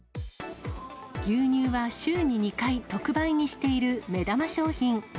牛乳は週に２回、特売にしている目玉商品。